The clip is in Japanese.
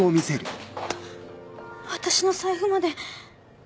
私の財布まで。